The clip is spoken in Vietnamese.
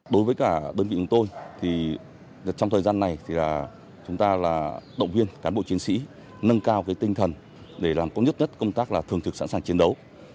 đối với cả đơn vị của tôi trong thời gian này chúng ta động viên cán bộ chiến sĩ nâng cao tinh thần để làm có nhất công tác thường thực sẵn sàng chiến đấu